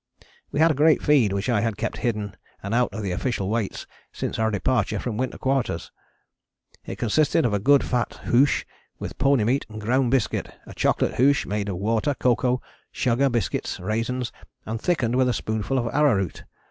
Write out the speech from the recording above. We had a great feed which I had kept hidden and out of the official weights since our departure from Winter Quarters. It consisted of a good fat hoosh with pony meat and ground biscuit; a chocolate hoosh made of water, cocoa, sugar, biscuit, raisins, and thickened with a spoonful of arrowroot.